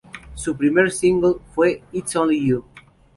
Su primer single fue "It's Only You".